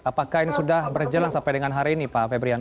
apakah ini sudah berjalan sampai dengan hari ini pak febrian